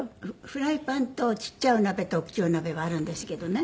フライパンとちっちゃいお鍋とおっきいお鍋はあるんですけどね。